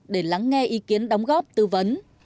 để lắng nghe ý kiến đóng góp tư vấn